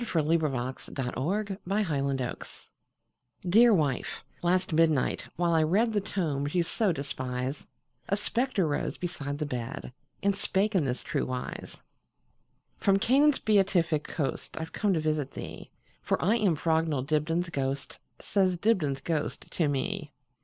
By EugeneField 1045 Dibdin's Ghost DEAR wife, last midnight, whilst I readThe tomes you so despise,A spectre rose beside the bed, And spake in this true wise:"From Canaan's beatific coastI 've come to visit thee, For I am Frognall Dibdin's ghost,"Says Dibdin's ghost to me.